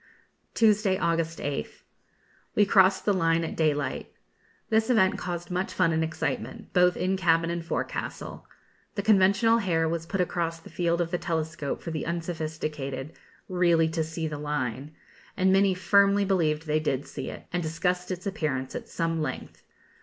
Tuesday, August 8th. We crossed the line at daylight. This event caused much fun and excitement, both in cabin and forecastle. The conventional hair was put across the field of the telescope for the unsophisticated 'really to see the line,' and many firmly believed they did see it, and discussed its appearance at some length.